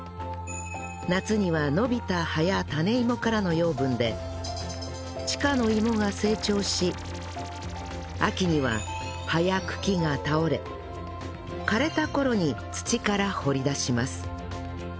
夏には伸びた葉や種芋からの養分で地下の芋が成長し秋には葉や茎が倒れ枯れた頃に土から掘り出します